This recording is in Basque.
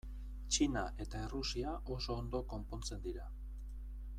Txina eta Errusia oso ondo konpontzen dira.